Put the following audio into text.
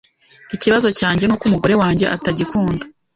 Ikibazo cyanjye nuko umugore wanjye atagikunda.